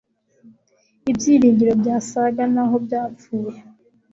ibyiringiro byasaga naho byapfuye